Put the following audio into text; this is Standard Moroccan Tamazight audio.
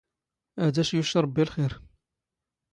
ⴰⴷ ⴰⵛ ⵢⵓⵛ ⵕⴱⴱⵉ ⵍⵅⵉⵔ.